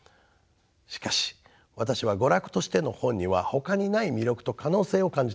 しかし私は娯楽としての本にはほかにない魅力と可能性を感じています。